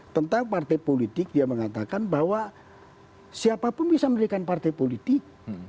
tentang partai politik dia mengatakan bahwa siapapun bisa mendirikan partai politik